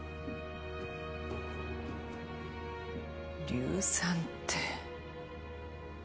硫酸って。